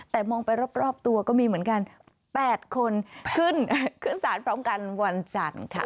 แต่มองไปรอบตัวก็มีเหมือนกัน๘คนขึ้นสารพร้อมกันวันจันทร์ค่ะ